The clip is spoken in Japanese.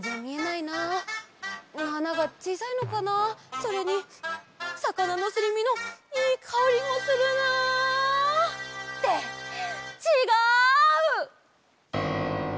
それにさかなのすりみのいいかおりもするな。ってちがう！